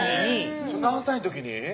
何歳の時に？